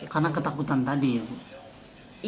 karena ketakutan tadi ya